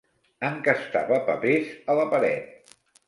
Encastava papers a la paret.